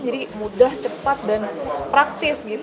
jadi mudah cepat dan praktis